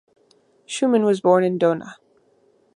Schumann was born in Dohna.